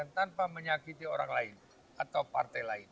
tanpa menyakiti orang lain atau partai lain